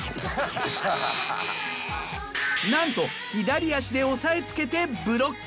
なんと左足で押さえつけてブロック。